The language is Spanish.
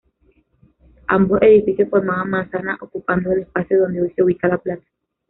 Ambos edificios formaban manzana ocupando el espacio donde hoy se ubica la plaza.